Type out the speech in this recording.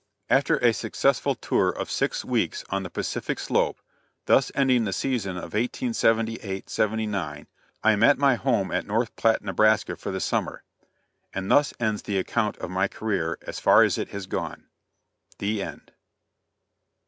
After a successful tour of six weeks on the Pacific Slope, thus ending the season of 1878 79, I am at my home at North Platte, Nebraska, for the summer; and thus ends the account of my career as far as it has gone. THE END.